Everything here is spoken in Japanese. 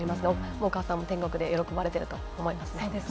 お母さんも天国で喜ばれていると思いますね。